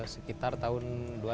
sekitar tahun dua ribu dua belas